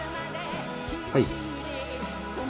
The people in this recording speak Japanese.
はい。